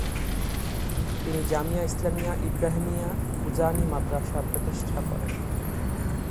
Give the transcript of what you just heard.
তিনি জামিয়া ইসলামিয়া ইব্রাহিমিয়া উজানি মাদ্রাসা প্রতিষ্ঠা করেন।